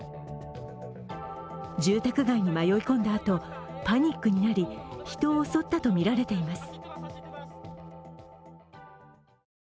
住宅街に迷い込んだあとパニックになり、人を襲ったとみられています。